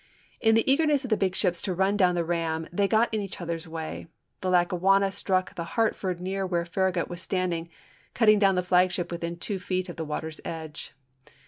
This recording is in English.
In the eagerness of the big ships to run down the ram they got in each other's way; the Lackawanna struck the Hartford near where Farragut was standing, cutting down the flagship to within two feet of the water's edge.